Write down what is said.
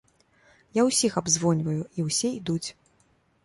Я ўсіх абзвоньваю і ўсе ідуць.